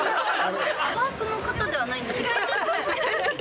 パークの方ではないんですか？